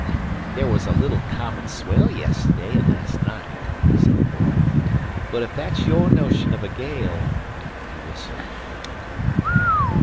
"There was a little common swell yes'day an' last night," said the boy. "But ef thet's your notion of a gale " He whistled.